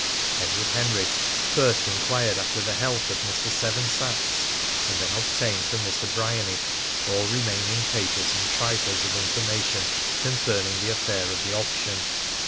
Edward Henry first enquired after the health of Mr. Seven Sachs, and then obtained from Mr. Bryany all remaining papers and trifles of information concerning the affair of the option.